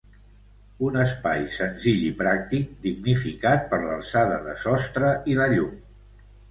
Un espai senzill i pràctic, dignificat per l'alçada de sostre i la llum.